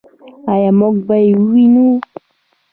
آیا موږ به یې ووینو؟